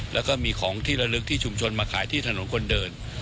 แล้วก็มีของที่ระลึกที่ชุมชนมาขายที่ถนนคนเดิน